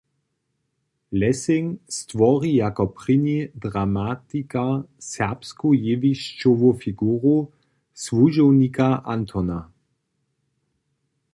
Lessing stwori jako prěni dramatikar serbsku jewišćowu figuru, słužownika Antona.